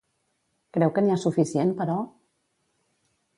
Creu que n'hi ha suficient, però?